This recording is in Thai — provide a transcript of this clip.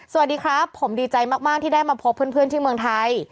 สวัสดีครับผมดีใจมากที่ได้มาพบเพื่อนที่เมืองไทย